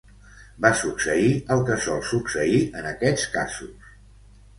Va succeir el què sol succeir en aquests casos.